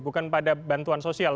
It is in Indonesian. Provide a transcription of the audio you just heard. bukan pada bantuan sosial